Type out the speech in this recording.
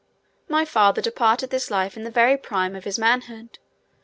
My father departed this life in the very prime of his manhood.